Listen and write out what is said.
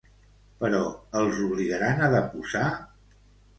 Però els obligaran a deposar?